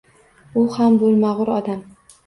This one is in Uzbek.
U ham bo`lmag`ur odam